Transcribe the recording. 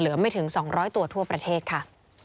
ไม่ถึง๒๐๐ตัวทั่วประเทศค่ะ